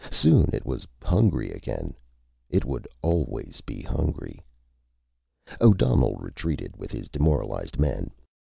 Soon it was hungry again. It would always be hungry. O'Donnell retreated with his demoralized men.